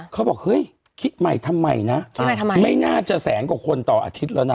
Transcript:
เขาบอกเฮ้ยคิดใหม่ทำไมนะคิดใหม่ทำไมไม่น่าจะแสนกว่าคนต่ออาทิตย์แล้วนะ